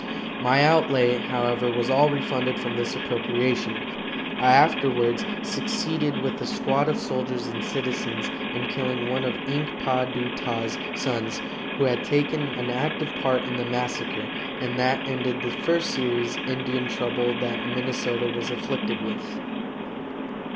My outlay, however, was all refunded from this appropriation. I afterwards succeeded, with a squad of soldiers and citizens, in killing one of Ink pa du ta's sons, who had taken an active part in the massacre, and that ended the first serious Indian trouble that Minnesota was afflicted with.